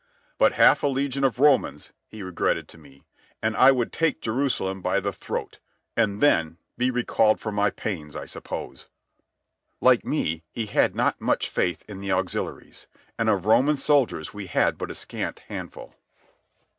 "But half a legion of Romans," he regretted to me, "and I would take Jerusalem by the throat ... and then be recalled for my pains, I suppose." Like me, he had not too much faith in the auxiliaries; and of Roman soldiers we had but a scant handful.